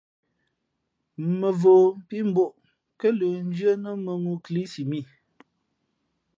Mᾱvǒ pí mbᾱʼ ō kάlə̄ndʉ́ά nά mᾱŋū kilísimǐ .